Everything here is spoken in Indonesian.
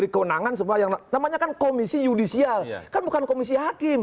kan bukan komisi hakim